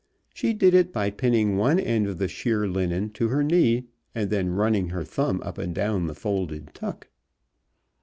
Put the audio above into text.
She did it by pinning one end of the sheer linen to her knee and then running her thumb up and down the folded tuck.